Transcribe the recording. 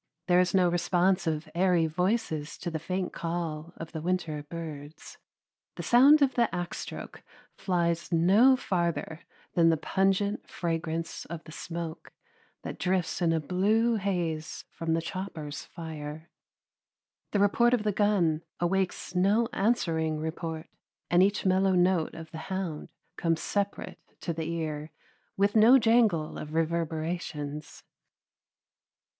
There is no response of airy voices to the faint call of the winter birds. The sound of the axe stroke flies no farther than the pungent fragrance of the smoke that drifts in a blue haze from the chopper's fire. The report of the gun awakes no answering report, and each mellow note of the hound comes separate to the ear, with no jangle of reverberations.